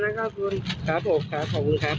แล้วก็ขอบคุณนะครับคุณครับผมครับขอบคุณครับ